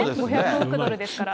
５００億ドルですから。